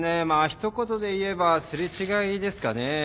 まあ一言で言えば擦れ違いですかね。